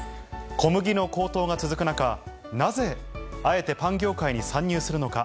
小麦の高騰が続く中、なぜ、あえてパン業界に参入するのか。